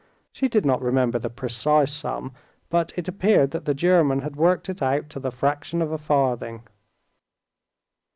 She did not remember the precise sum, but it appeared that the German had worked it out to the fraction of a farthing.